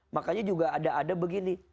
makanya juga ada ada begini